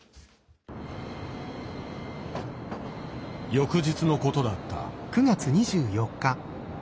翌日のことだった。